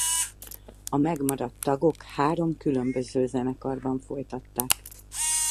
A megmaradt tagok három különböző zenekarban folytatták.